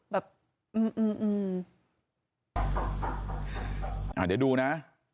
เดี๋ยวดูนะ